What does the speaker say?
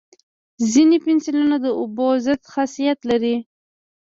ځینې پنسلونه د اوبو ضد خاصیت لري.